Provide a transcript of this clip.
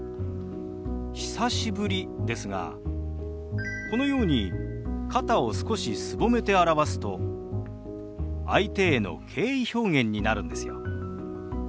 「久しぶり」ですがこのように肩を少しすぼめて表すと相手への敬意表現になるんですよ。